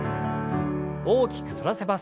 大きく反らせます。